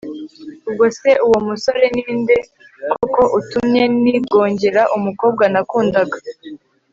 ubwo se uwo musore ninde koko utumye nigongera umukobwa nakundaga